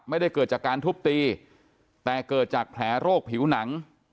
ไม่ได้เกิดจากการทุบตีแต่เกิดจากแผลโรคผิวหนัง